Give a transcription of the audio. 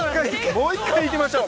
◆もう一回いきましょう。